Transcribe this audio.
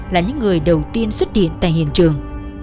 là những người đầu tiên xuất hiện tại hiện trường